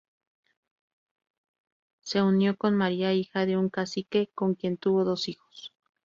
Se unió con María, hija de un cacique, con quien tuvo dos hijos.